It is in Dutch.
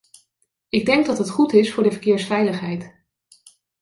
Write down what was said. Ik denk dat dat goed is voor de verkeersveiligheid.